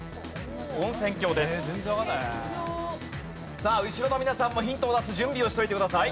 さあ後ろの皆さんもヒントを出す準備をしておいてください。